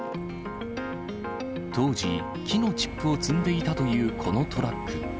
当時、木のチップを積んでいたというこのトラック。